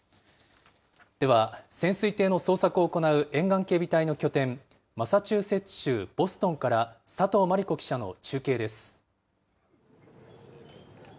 では、潜水艇の捜索を行う沿岸警備隊の拠点、マサチューセッツ州ボストンから、佐藤真莉子記者の中継です。